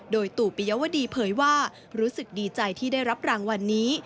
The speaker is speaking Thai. โดยตู่ปิยวดีเผยว่ารู้สึกดีใจที่ได้รับรางวัลนี้